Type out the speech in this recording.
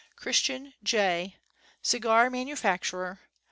Christian J Cigar Manufacturer.'